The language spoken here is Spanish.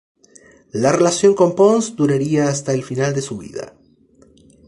La relación con Pons duraría hasta el final de su vida.